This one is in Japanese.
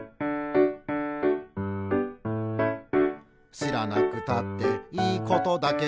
「しらなくたっていいことだけど」